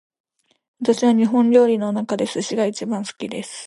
私は日本料理の中で寿司が一番好きです